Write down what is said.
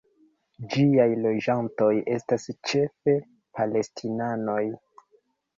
Ĝiaj loĝantoj estas ĉefe palestinanoj.